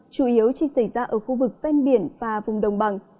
chủ yếu chỉ xảy ra ở khu vực ven biển và vùng đồng bằng